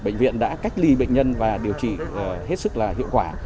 bệnh viện đã cách ly bệnh nhân và điều trị hết sức là hiệu quả